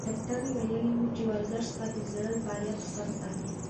ډاکتر ویلي وو چې ورزش ستا د زړه فعالیت په سمه ساتي.